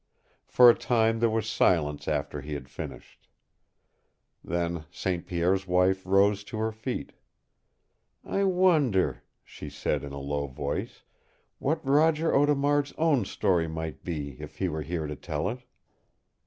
For a time there was silence after he had finished. Then St. Pierre's wife rose to her feet. "I wonder," she said in a low voice, "what Roger Audemard's own story might be if he were here to tell it?"